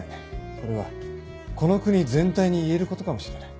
これはこの国全体にいえることかもしれない。